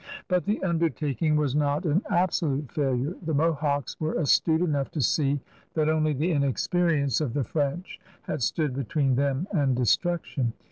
But the undertaking was not an absolute failure. The Mohawks were astute enough to see that only the inexperience of the French had stood between them and destruction.